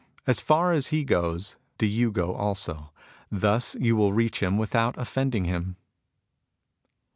As far as he goes, do you go also. Thus you will reach him without offending him.